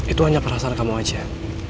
itu hanya perasaan kamu aja